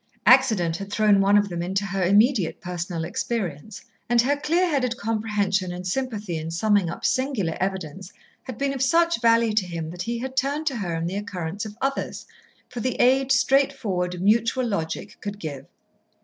Accident had thrown one of them into her immediate personal experience, and her clear headed comprehension and sympathy in summing up singular evidence had been of such value to him that he had turned to her in the occurrence of others for the aid straightforward, mutual logic could give.